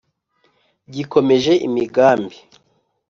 gikomeje imigambi